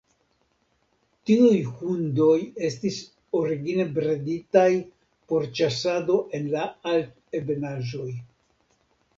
Tiuj hundoj estis origine breditaj por ĉasado en la Altebenaĵoj.